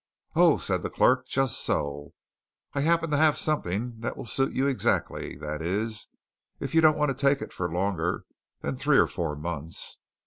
"Oh!" said the clerk. "Just so. I happen to have something that will suit you exactly that is, if you don't want to take it for longer than three or four months."